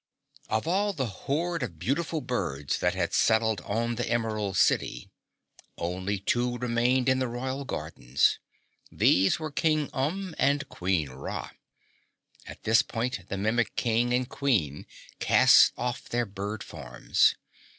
Of all the horde of beautiful birds that had settled on the Emerald City, only two remained in the Royal Gardens. These were King Umb and Queen Ra. At this point the Mimic King and Queen cast off their bird forms.